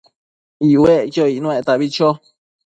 iuecquio icnuectabi cho